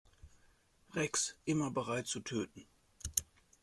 Rex, immer bereit zu töten.